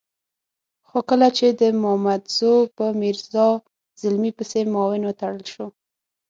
خو کله چې د مامدزو په میرزا زلمي پسې معاون وتړل شو.